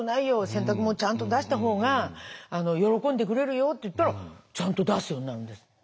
洗濯物ちゃんと出した方が喜んでくれるよ」って言ったらちゃんと出すようになるんです。